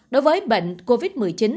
đối với bệnh covid một mươi chín